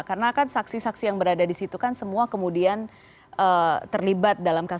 karena kan saksi saksi yang berada di situ kan semua kemudian terlibat dalam kasus